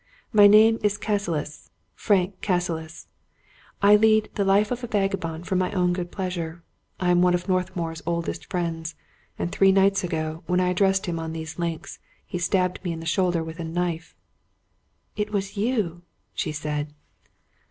My name is Cassilis — Frank Cassilis. I lead the life of a vagabond for my own good pleasure. I am one of Northmour's oldest friends; and three nights ago, when I addressed him on these links, he stabbed me in the shoul der with a knife." " It was you! " she said.